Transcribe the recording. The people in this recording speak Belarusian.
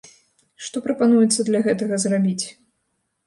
Што прапануецца для гэтага зрабіць?